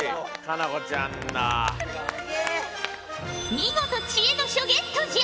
見事知恵の書ゲットじゃ。